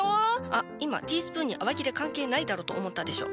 あっ今ティースプーンに洗剤いらねえだろと思ったでしょ。